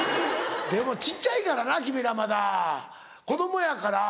でも小っちゃいからな君らまだ子供やから。